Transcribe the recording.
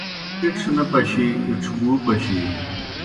اِڇھ نہ پشِی اِڇھ گُو پشِی